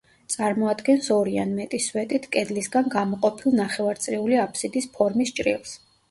წარმოადგენს ორი ან მეტი სვეტით კედლისგან გამოყოფილ ნახევარწრიული აფსიდის ფორმის ჭრილს.